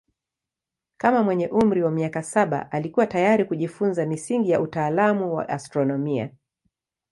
Kama mwenye umri wa miaka saba alikuwa tayari kujifunza misingi ya utaalamu wa astronomia.